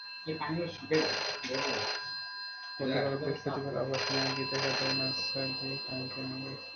গতকাল বৃহস্পতিবার আবারও সেখানে গিয়ে দেখা যায়, নার্সারিটির পানি নেমে গেছে।